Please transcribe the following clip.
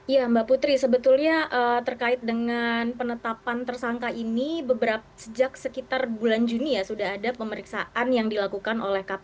ya mbak putri sebetulnya terkait dengan penetapan tersangka ini sejak sekitar bulan juni ya sudah ada pemeriksaan yang dilakukan oleh kpk